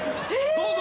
どうぞ。